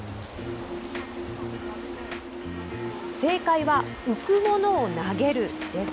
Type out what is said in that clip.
正解は、浮くものを投げるです。